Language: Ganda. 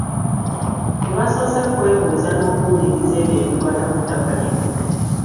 Tebasoose kwebuuza n'okuwuliriza ebyo ebikwata ku ttaka lino.